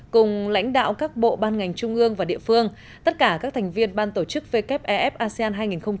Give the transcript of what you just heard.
cùng lãnh đạo các bộ ban ngành trung ương và địa phương tất cả các thành viên ban tổ chức wef asean hai nghìn hai mươi